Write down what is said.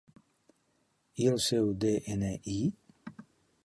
I el seu de-ena-i?